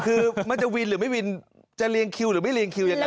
คือมันจะวินหรือไม่วินจะเรียงคิวหรือไม่เรียงคิวยังไง